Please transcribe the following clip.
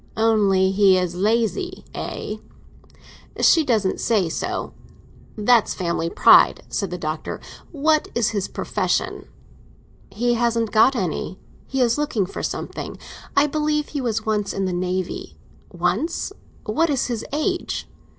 "Only he is lazy, eh?" "She doesn't say so." "That's family pride," said the Doctor. "What is his profession?" "He hasn't got any; he is looking for something. I believe he was once in the Navy." "Once? What is his age?"